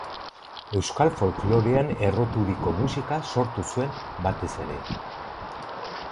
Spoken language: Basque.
Euskal folklorean erroturiko musika sortu zuen batez ere.